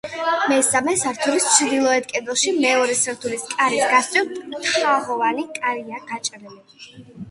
მესამე სართულის ჩრდილოეთ კედელში, მეორე სართულის კარის გასწვრივ, თაღოვანი კარია გაჭრილი.